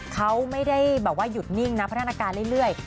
เขาไม่ได้อยู่นิ่งนะพัฒนาการเรื่อย